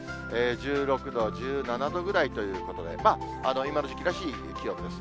１６度、１７度ぐらいということで、今の時期らしい気温です。